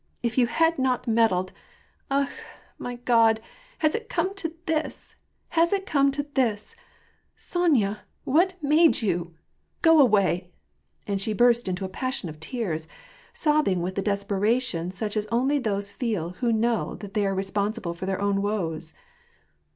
" If you had not meddled !— Akh ! my God, has it come to this, has it come to this ? Sony a, what made you ?— Go away !" And she burst into a pas sion of tears, sobbing with the desperation such as only those feel who know that they are responsible for their own woes.